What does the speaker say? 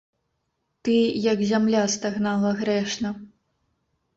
Ты, як зямля, стагнала грэшна.